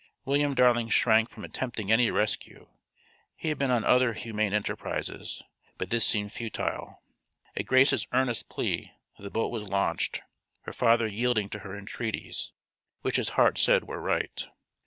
William Darling shrank from attempting any rescue. He had been on other humane enterprises. But this seemed futile. At Grace's earnest plea the boat was launched, her father yielding to her entreaties, which his heart said were right.